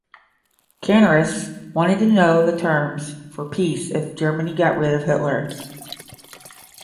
Canaris wanted to know the terms for peace if Germany got rid of Hitler.